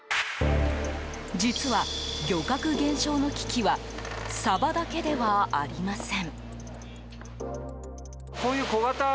実は、漁獲減少の危機はサバだけではありません。